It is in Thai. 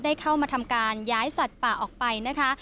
ได้เข้ามาทำการย้ายสัตว์ป่าออกไปนะคะ